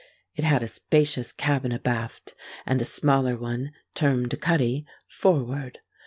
It had a spacious cabin abaft, and a smaller one, termed a cuddy, forward.